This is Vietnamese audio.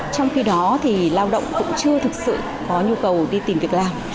trong khi đó thì lao động cũng chưa thực sự có nhu cầu đi tìm việc làm